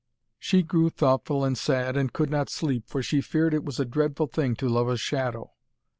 She grew thoughtful and sad, and could not sleep, for she feared it was a dreadful thing to love a shadow.